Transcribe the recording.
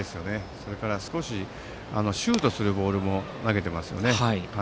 それからシュートするボールも投げていますよね。